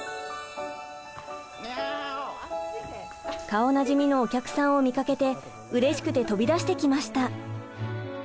顔なじみのお客さんを見かけてうれしくて飛び出してきました。